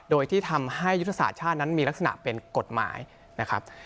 โดยที่ทำให้ยุทธศาสตร์ชาตินั้นมีลักษณะเป็นกฎหมายนะครับ